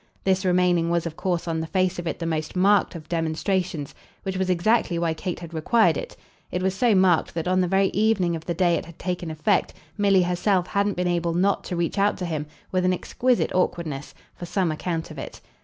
This remaining was of course on the face of it the most "marked" of demonstrations which was exactly why Kate had required it; it was so marked that on the very evening of the day it had taken effect Milly herself hadn't been able not to reach out to him, with an exquisite awkwardness, for some account of it.